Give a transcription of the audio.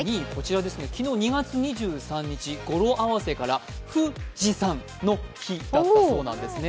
昨日２月２３日、語呂合わせから富士山の日だったそうなんですね。